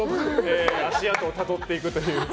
足跡をたどっていくという。